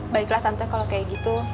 baiklah tante kalau kayak gitu